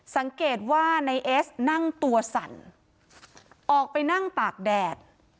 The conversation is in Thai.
สังเกตว่านายเอสนั่งตัวสั่นออกไปนั่งตากแดด